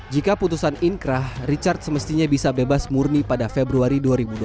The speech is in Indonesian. jika putusan inkrah richard semestinya bisa bebas murni pada februari dua ribu dua puluh